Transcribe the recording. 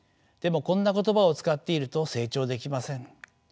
でもこんな言葉を使っていると成長できません。